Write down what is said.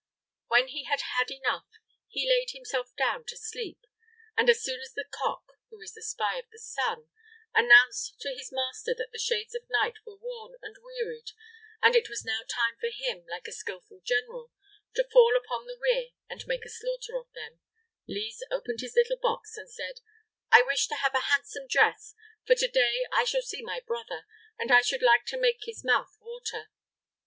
Footnote 1: Alluding to the quarantine which ships were subject to in coming from the East. When he had eaten enough, he laid himself down to sleep, and as soon as the cock, who is the spy of the sun, announced to his master that the shades of night were worn and wearied, and it was now time for him, like a skilful general, to fall upon the rear and make a slaughter of them, Lise opened his little box and said: "I wish to have a handsome dress, for today I shall see my brother, and I should like to make his mouth water."